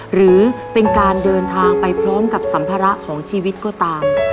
หรือเป็นการเดินทางไปพร้อมกับสัมภาระของชีวิตก็ตาม